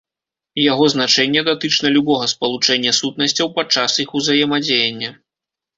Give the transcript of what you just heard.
Яго значэнне датычна любога спалучэння сутнасцяў падчас іх узаемадзеяння.